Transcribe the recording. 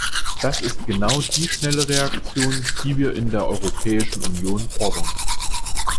Das ist genau die schnelle Reaktion, die wir in der Europäischen Union fordern.